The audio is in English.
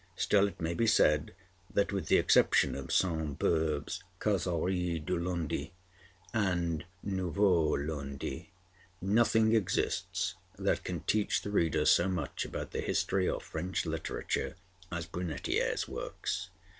Still it may be said that with the exception of Sainte Beuve's (Causeries du Lundi) and (Nouveaux Lundis,) nothing exists that can teach the reader so much about the history of French literature as Brunetière's works.